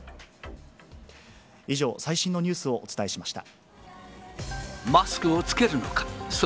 以上、最新のニュースをお伝えしました。